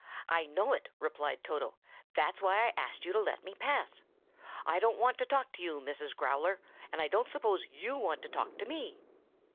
"I know it," replied Toto. "That's why I asked you to let me pass. I don't want to talk to you, Mrs. Growler, and I don't suppose you want to talk to me."